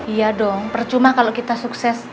iya dong percuma kalau kita sukses